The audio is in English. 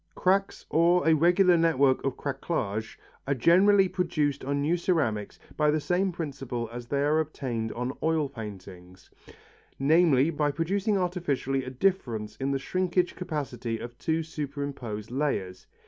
Cracks or a regular network of craquelage are generally produced on new ceramics by the same principle as they are obtained on oil paintings, namely, by producing artificially a difference in the shrinkage capacity of two superimposed layers.